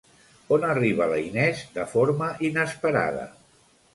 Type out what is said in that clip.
On arriba la Inés de forma inesperada?